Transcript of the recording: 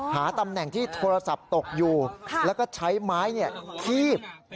หาตำแหน่งที่โทรศัพท์ตกอยู่แล้วก็ใช้ไม้คีบ